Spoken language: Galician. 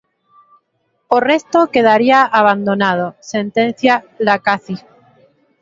"O resto quedaría abandonado", sentencia Lacaci.